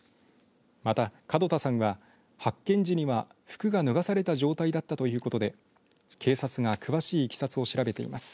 また、門田さんは発見時には服が脱がされた状態だったということで警察が詳しいいきさつを調べています。